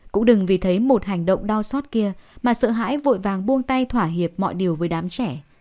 cũng đừng vì thấy một hành động đau xót kia mà sợ hãi vội vàng buông tay thỏa hiệp mọi điều với đám trẻ